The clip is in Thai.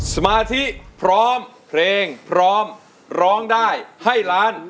สมาธิพร้อมเพลงพร้อมร้องได้ให้ล้าน